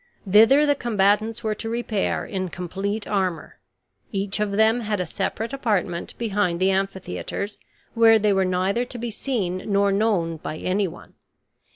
Thither the combatants were to repair in complete armor. Each of them had a separate apartment behind the amphitheaters, where they were neither to be seen nor known by anyone.